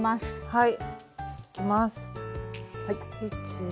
はい。